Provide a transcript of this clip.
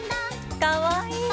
かわいい。